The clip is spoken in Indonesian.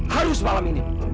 harus malam ini